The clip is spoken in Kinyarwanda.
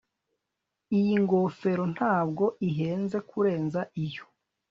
Iyi ngofero ntabwo ihenze kurenza iyo